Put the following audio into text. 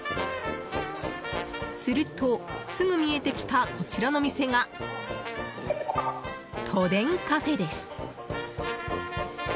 すると、すぐ見えてきたこちらの店が都電カフェです。